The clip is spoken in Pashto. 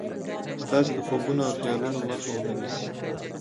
ستاسې د خوبونو او خيالونو مخه و نه نيسي.